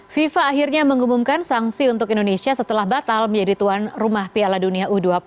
fifa akhirnya mengumumkan sanksi untuk indonesia setelah batal menjadi tuan rumah piala dunia u dua puluh